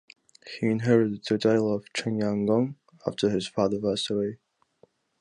He inherited the title of Chengyang Gong after his father passed away.